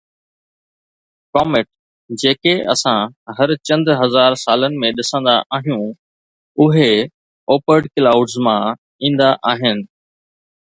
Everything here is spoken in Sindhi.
ڪاميٽ جيڪي اسان هر چند هزار سالن ۾ ڏسندا آهيون، اهي ”اوپرٽ ڪلائوڊس“ مان ايندا آهن.